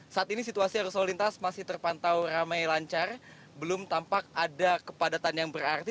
saat ini situasi arus lalu lintas masih terpantau ramai lancar belum tampak ada kepadatan yang berarti